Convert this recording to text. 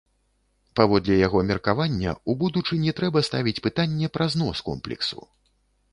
Паводле яго меркавання, у будучыні трэба ставіць пытанне пра знос комплексу.